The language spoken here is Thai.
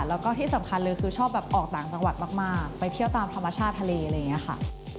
แล้วก็ที่สำคัญเลยคือชอบแบบออกต่างจังหวัดมากไปเที่ยวตามธรรมชาติทะเลอะไรอย่างนี้ค่ะ